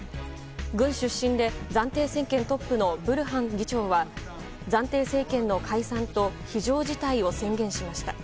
軍出身で暫定政権トップのブルハン議長は暫定政権の解散と非常事態を宣言しました。